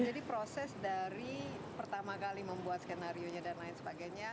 jadi proses dari pertama kali membuat skenario nya dan lain sebagainya